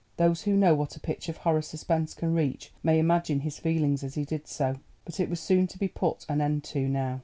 Those who know what a pitch of horror suspense can reach may imagine his feelings as he did so. But it was soon to be put an end to now.